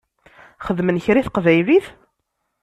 Xedmen kra i teqbaylit?